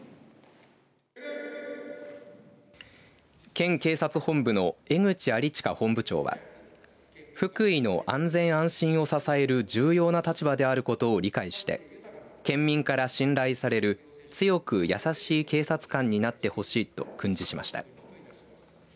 県警察本部の江口有隣本部長は福井の安全安心を支える重要な立場であることを理解して県民から信頼される強く優しい警察官になってほしいと訓示しました。